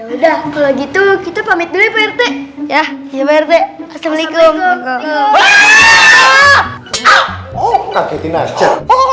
udah kalau gitu kita pamit ya ya ya